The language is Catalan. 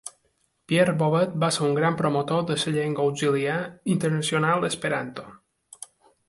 Pierre Bovet va ser un gran promotor de la llengua auxiliar internacional esperanto.